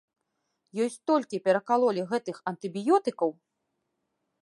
Ёй столькі перакалолі гэтых антыбіётыкаў!